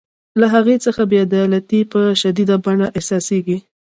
له هغې څخه بې عدالتي په شدیده بڼه احساسیږي.